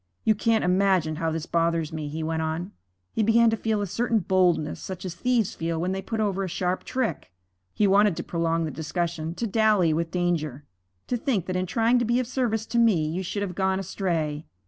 'You can't imagine how this bothers me,' he went on. He began to feel a certain boldness, such as thieves feel when they put over a sharp trick. He wanted to prolong the discussion, to dally with danger. 'To think that in trying to be of service to me you should have gone astray.